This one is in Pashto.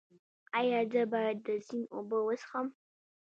ایا زه باید د سیند اوبه وڅښم؟